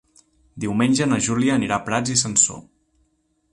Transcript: Diumenge na Júlia anirà a Prats i Sansor.